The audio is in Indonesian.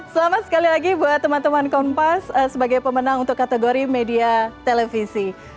selamat sekali lagi buat teman teman kompas sebagai pemenang untuk kategori media televisi